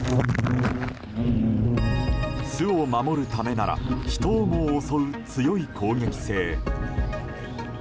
巣を守るためなら人をも襲う強い攻撃性。